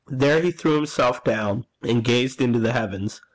There he threw himself down, and gazed into the heavens.